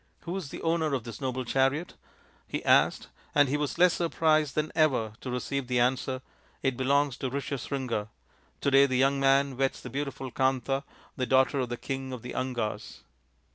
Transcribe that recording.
" Who is the owner of this noble chariot ?" he asked, and he was less surprised than ever to receive the answer, " It belongs to Rishyasringa. To day the young man weds the beautiful Kanta, the daughter of the King of theAngas."